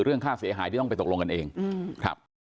เรื่องค่าเสียหายที่ต้องไปตกลงกันเองครับ